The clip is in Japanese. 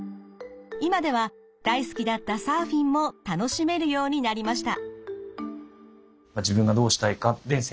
今では大好きだったサーフィンも楽しめるようになりました。